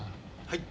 はい。